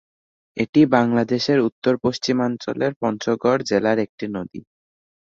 এটি বাংলাদেশের উত্তর-পশ্চিমাঞ্চলের পঞ্চগড় জেলার একটি নদী।